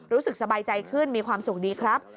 รู้สึกสบายใจขึ้นมีความสุขดีครับ